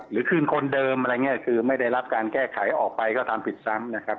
หรือคืนคนเดิมคือไม่ได้รับการแก้ไขออกไปก็ทำผิดซ้ำนะครับ